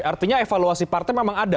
artinya evaluasi partai memang ada